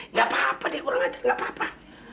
nggak apa apa dia kurang aja nggak apa apa